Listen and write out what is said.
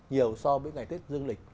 nhiều so với ngày tết dương lịch